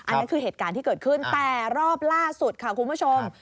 นั่นคือเหตุการณ์ที่เกิดขึ้นแต่รอบล่าสุดค่ะคุณผู้ชม